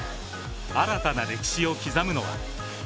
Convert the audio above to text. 新たな歴史を刻むのは？